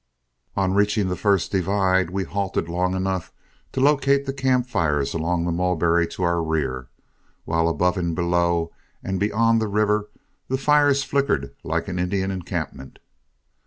On reaching the first divide, we halted long enough to locate the camp fires along the Mulberry to our rear, while above and below and beyond the river, fires flickered like an Indian encampment.